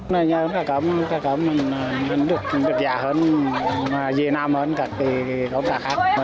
nhà cá cơm cá cơm được giá hơn dưới năm hơn các tàu cá khác